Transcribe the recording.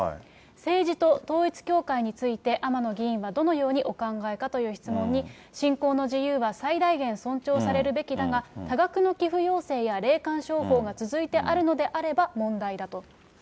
政治と統一教会について、天野議員はどのようにお考えかという質問に、信仰の自由は最大限尊重されるべきだが、多額の寄付要請や霊感商法が続いているのであれば問題だと。